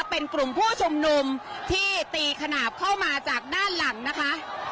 เป็นกลุ่มผู้ชุมนุมที่ตีขนาดเข้ามาจากด้านหลังนะคะ